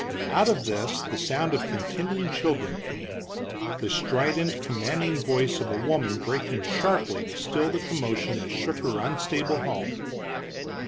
Out of this the sound of contending children came, the strident, commanding voice of a woman breaking sharply to still the commotion that shook her unstable home.